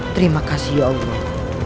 terima kasih ya allah